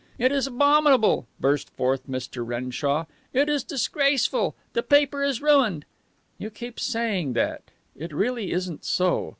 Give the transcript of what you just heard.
"It is abominable," burst forth Mr. Renshaw. "It is disgraceful. The paper is ruined." "You keep saying that. It really isn't so.